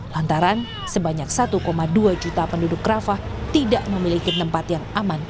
lantaran sebanyak satu dua juta penduduk krafah tidak memiliki tempat yang aman